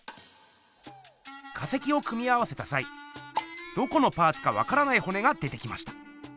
化石を組み合わせたさいどこのパーツかわからないほねが出てきました。